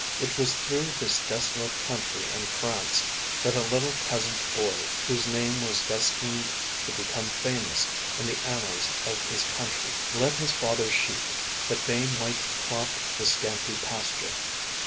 It was through this desolate country in France that a little peasant boy whose name was destined to become famous in the annals of his country led his father's sheep, that they might crop the scanty pasture.